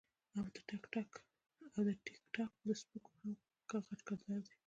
او د ټک ټاک د سپکو هم غټ کردار دے -